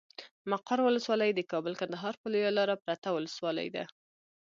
مقر ولسوالي د کابل کندهار پر لويه لاره پرته ولسوالي ده.